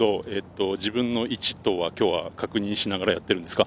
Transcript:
自分の位置は確認しながらやっているんですか？